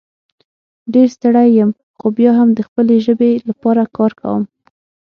ډېر ستړی یم خو بیا هم د خپلې ژبې لپاره کار کوم